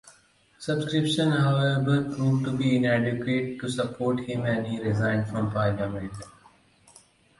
Subscriptions however proved to be inadequate to support him and he resigned from parliament.